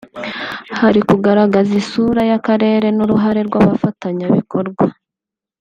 hari kugaragaza isura y’akarere n’uruhare rw’abafatanyabikorwa